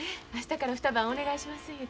明日から２晩お願いします